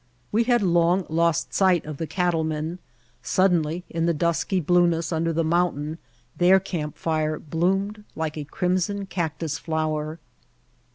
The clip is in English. We had long lost sight of the cattlemen. Suddenly, in the dusky blueness under the mountain, their camp fire bloomed like a crimson cactus flower.